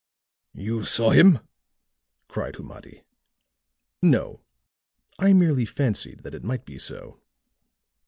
"You saw him?" cried Humadi. "No, I merely fancied that it might be so."